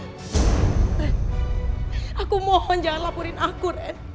ren aku mohon jangan lapurin aku ren